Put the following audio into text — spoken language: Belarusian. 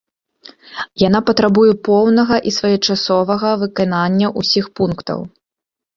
Яна патрабуе поўнага і своечасовага выканання ўсіх пунктаў.